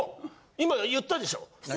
今言ったでしょ？